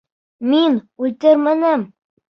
Мин үлтермәнем!